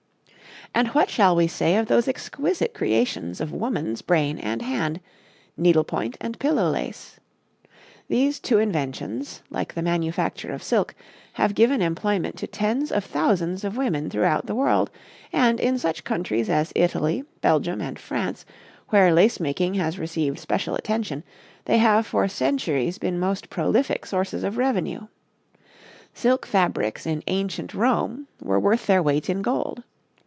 " And what shall we say of those exquisite creations of woman's brain and hand needle point and pillow lace? These two inventions, like the manufacture of silk, have given employment to tens of thousands of women throughout the world; and, in such countries as Italy, Belgium and France, where lace making has received special attention, they have for centuries been most prolific sources of revenue. Silk fabrics in ancient Rome were worth their weight in gold.